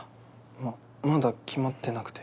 ままだ決まってなくて。